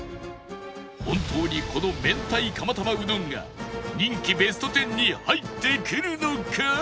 本当にこの明太釜玉うどんが人気ベスト１０に入ってくるのか？